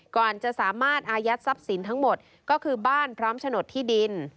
ก่อนจะสามารถอายัดทรัพย์สินทั้งหมดก็คือบ้านพร้อมโฉนดที่ดิน